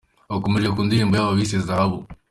Bakomereje ku ndirimbo yabo bise 'Zahabu'.